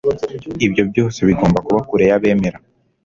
ibyo byose bigomba kuba kure y'abemera